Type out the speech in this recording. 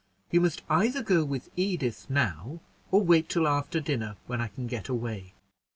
You must either go with Edith now, or wait till after dinner, when I can get away."